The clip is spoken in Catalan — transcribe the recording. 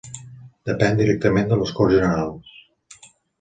Depén directament de les Corts Generals.